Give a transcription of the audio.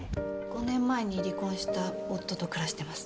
５年前に離婚した夫と暮らしてます。